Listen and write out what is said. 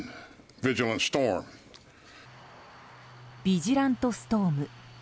ビジラントストーム。